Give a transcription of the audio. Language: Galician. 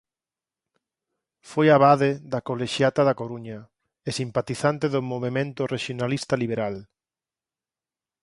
Foi abade da Colexiata da Coruña e simpatizante do movemento rexionalista liberal.